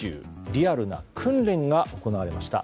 リアルな訓練が行われました。